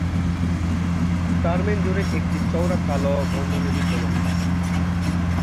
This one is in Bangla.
টার্মেন জুড়ে একটি চওড়া কালো বন্ধনী বিদ্যমান।